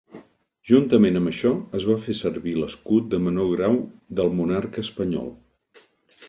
Juntament amb això, es va fer servir l'escut de menor grau del monarca espanyol.